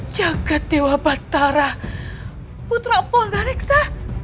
jaga dewa batara putra apolga reksa